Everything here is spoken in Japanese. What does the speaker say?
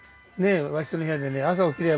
和室の部屋でね朝起きりゃ